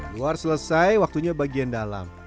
luar selesai waktunya bagian dalam